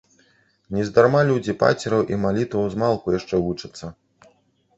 Нездарма людзі пацераў і малітваў змалку яшчэ вучацца.